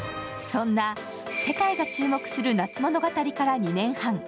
そんな世界が注目する「夏物語」から２年半。